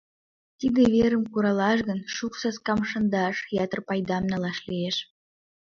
Тиде верым куралаш гын, шуко саскам шындаш, ятыр пайдам налаш лиеш.